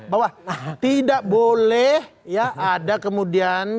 bahwa tidak boleh ya ada kemudian